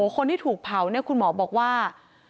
คนที่ถูกเผาคุณหมอบอกว่า